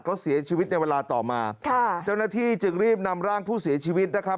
เขาเสียชีวิตในเวลาต่อมาค่ะเจ้าหน้าที่จึงรีบนำร่างผู้เสียชีวิตนะครับ